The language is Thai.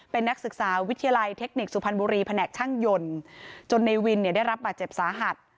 เป็นนักศึกษาวิทยาลัยเทคนิคสุพรรณบุรีแผนกช่างยนต์จนในวินเนี่ยได้รับบาดเจ็บสาหัส